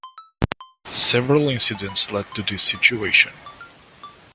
Several incidents led to this situation.